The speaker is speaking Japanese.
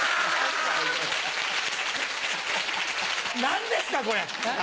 何ですかこれ！